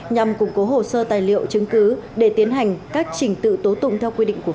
nhằm củng cố hồ sơ tài liệu chứng cứ để tiến hành các trình tự tố tục